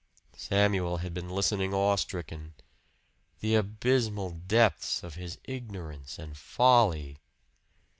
Samuel had been listening awe stricken. The abysmal depths of his ignorance and folly!